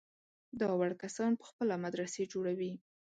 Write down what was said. دا وړ کسان په خپله مدرسې جوړوي.